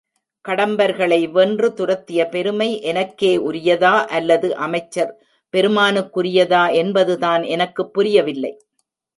கடம்பர்களை வென்று துரத்திய பெருமை எனக்கே உரியதா அல்லது அமைச்சர் பெருமானுக்குரியதா என்பதுதான் எனக்குப் புரியவில்லை.